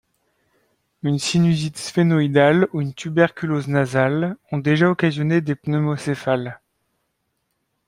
Une sinusite sphénoïdale ou une tuberculose nasale ont déjà occasionné des pneumocéphales.